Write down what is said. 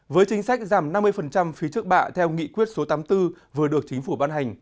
với chính sách giảm năm mươi phí trước bạ theo nghị quyết số tám mươi bốn vừa được chính phủ ban hành